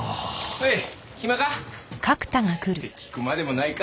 おい暇か？って聞くまでもないか。